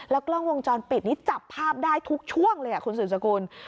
กล้องวงจรปิดนี้จับภาพได้ทุกช่วงเลยคุณสืบสกุล